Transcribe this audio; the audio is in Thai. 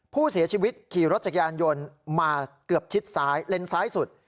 ผู้เสียชีวิตขี่รถจักรยานยนต์มาเกือบชิดซ้ายเลนซ้ายสุด